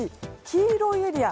黄色いエリア